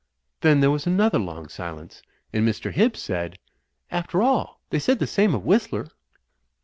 Then there was another long silence and Mr. Hibbs said, "After all, they said the same of Whistler."